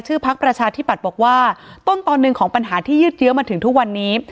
พักประชาธิปัตย์บอกว่าต้นตอนหนึ่งของปัญหาที่ยืดเยอะมาถึงทุกวันนี้